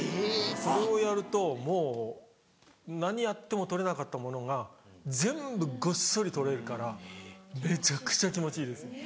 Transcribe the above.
それをやるともう何やっても取れなかったものが全部ごっそり取れるからめちゃくちゃ気持ちいいですね。